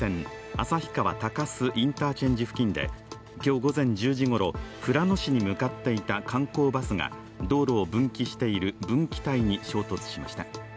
旭川鷹栖インターチェンジ付近で今日午前１０時ごろ、富良野市に向かっていた観光バスが道路を分岐している分岐帯に衝突しました。